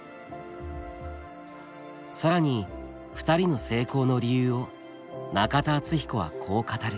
更に２人の成功の理由を中田敦彦はこう語る。